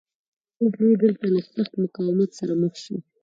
کوروش لوی دلته له سخت مقاومت سره مخ شو